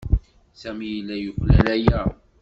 Sami yella yuklal aya.